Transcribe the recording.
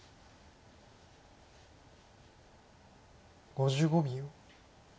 ５５秒。